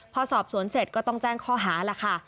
พอสอบสวนเสร็จก็ต้องแจ้งข้อหาล่ะค่ะ